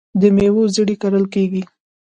د میوو زړې کرل کیږي.